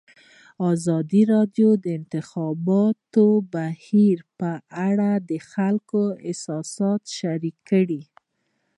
ازادي راډیو د د انتخاباتو بهیر په اړه د خلکو احساسات شریک کړي.